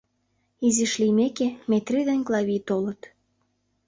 Изиш лиймеке, Метри ден Клави толыт.